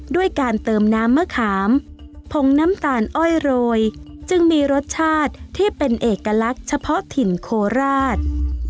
ด้วยการเติมน้ำมะขามผงน้ำตาลอ้อยโรยจึงมีรสชาติที่เป็นเอกลักษณ์เฉพาะถิ่นโคราช